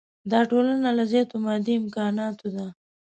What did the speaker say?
دا ټولنه له زیاتو مادي امکاناتو ده.